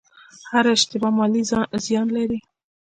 هره اشتباه مالي زیان لري.